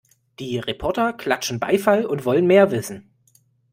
Die Reporter klatschen Beifall und wollen mehr wissen.